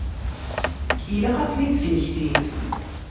Ilaq ad ten-id-smektint.